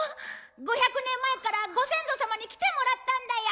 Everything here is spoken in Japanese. ５００年前からご先祖様に来てもらったんだよ